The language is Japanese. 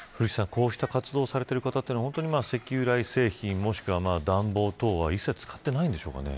こうした活動をされている方は石油由来製品や暖房等は一切使っていないのでしょうか。